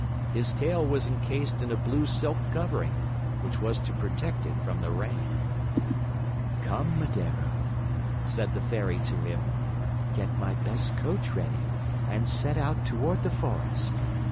His tail was encased in a blue silk covering, which was to protect it from the rain. "Come, Medoro," said the Fairy to him. "Get my best coach ready and set out toward the forest.